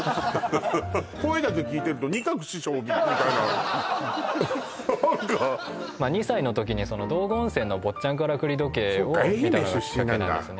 声だけ聞いてると仁鶴師匠みたいな２歳の時に道後温泉の坊っちゃんカラクリ時計を見たのがきっかけなんですね